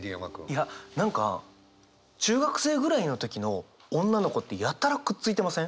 いや何か中学生ぐらいの時の女の子ってやたらくっついてません？